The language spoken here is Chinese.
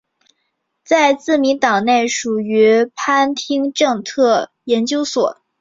在自民党内属于番町政策研究所。